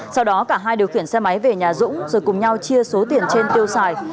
sau đó cả hai điều khiển xe máy về nhà dũng rồi cùng nhau chia số tiền trên tiêu xài